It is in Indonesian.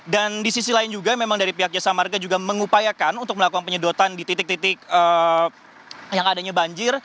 dan di sisi lain juga memang dari pihak jasa marga juga mengupayakan untuk melakukan penyedotan di titik titik yang adanya banjir